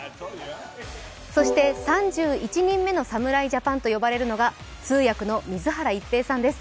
そして３１人目の侍ジャパンと呼ばれるのが通訳の水原一平さんです。